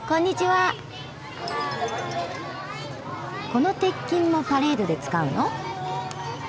この鉄琴もパレードで使うの？